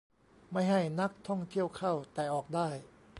- ไม่ให้นักท่องเที่ยวเข้า แต่ออกได้